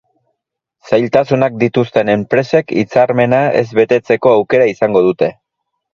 Zailtasunak dituzten enpresek hitzarmena ez betetzeko aukera izango dute.